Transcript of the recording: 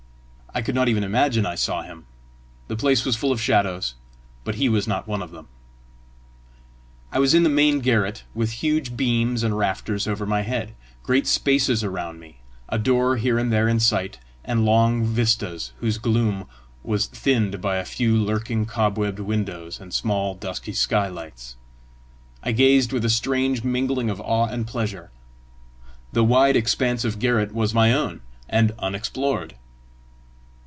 I could not even imagine I saw him. The place was full of shadows, but he was not one of them. I was in the main garret, with huge beams and rafters over my head, great spaces around me, a door here and there in sight, and long vistas whose gloom was thinned by a few lurking cobwebbed windows and small dusky skylights. I gazed with a strange mingling of awe and pleasure: the wide expanse of garret was my own, and unexplored!